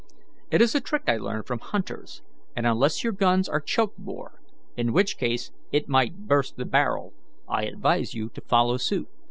It is a trick I learned from hunters, and, unless your guns are choke bore, in which case it might burst the barrel, I advise you to follow suit."